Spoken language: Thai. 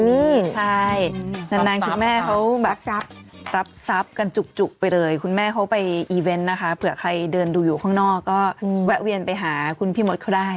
นี่ใช่นานคุณแม่เขาแบบทรัพย์กันจุกไปเลยคุณแม่เขาไปอีเวนต์นะคะเผื่อใครเดินดูอยู่ข้างนอกก็แวะเวียนไปหาคุณพี่มดเขาได้